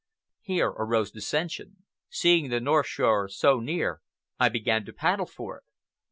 Here arose dissension. Seeing the north shore so near, I began to paddle for it.